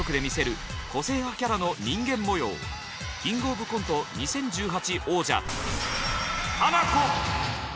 「キングオブコント２０１８」王者。